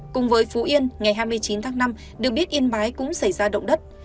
cùng với phú yên ngày hai mươi chín tháng năm được biết yên bái cũng xảy ra động đất